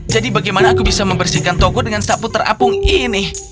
jadi bagaimana aku bisa membersihkan toko dengan sapu terapung ini